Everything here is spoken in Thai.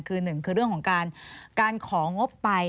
คือหนึ่งคือเรื่องของการของงบไป